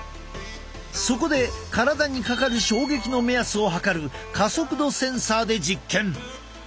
そこで体にかかる衝撃の目安を測る加速度センサーで実験！